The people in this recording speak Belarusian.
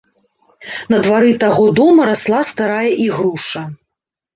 На двары таго дома расла старая ігруша.